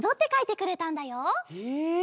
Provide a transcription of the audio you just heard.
へえ！